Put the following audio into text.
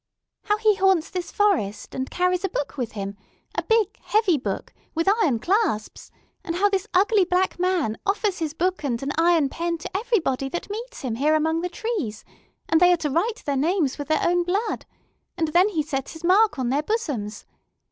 "How he haunts this forest, and carries a book with him a big, heavy book, with iron clasps; and how this ugly Black Man offers his book and an iron pen to everybody that meets him here among the trees; and they are to write their names with their own blood; and then he sets his mark on their bosoms.